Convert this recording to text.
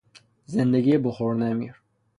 زندگی بخور و نمیر